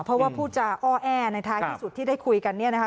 เพราะว่าพูดจาอ้อแอในท้ายที่สุดที่ได้คุยกันเนี่ยนะคะ